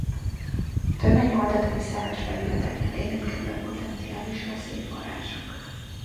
Tömény oldatai szerves vegyületekkel érintkezve potenciális veszélyforrások.